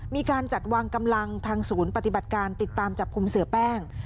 มีการจัดวางกำลังทางศูนย์ปฏิบัติการติดตามจับกลุ่มเสียแป้ง